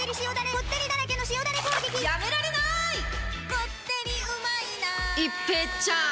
こってりうまいな一平ちゃーん！